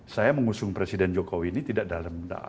saya mengusung presiden jokowi ini tidak dalam hal yang berbeda